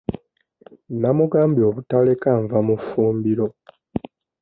Namugambye obutaleka nva mu fumbiro.